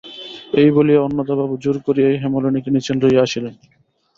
এই বলিয়া অন্নদাবাবু জোর করিয়াই হেমনলিনীকে নীচে লইয়া আসিলেন।